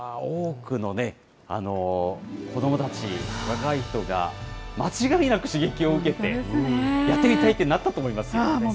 いやー、多くのね、子どもたち、若い人が、間違いなく刺激を受けて、やってみたいってなったと思いますよね。